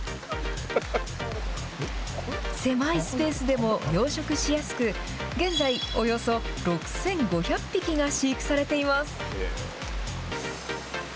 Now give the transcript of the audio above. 狭いスペースでも養殖しやすく、現在、およそ６５００匹が飼育されています。